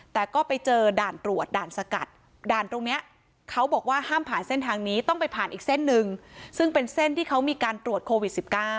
แต่ก็ไปเจอด่านตรวจด่านสกัดด่านตรงนี้เขาบอกว่าห้ามผ่านเส้นทางนี้ต้องไปผ่านอีกเส้นหนึ่งซึ่งเป็นเส้นที่เขามีการตรวจโควิด๑๙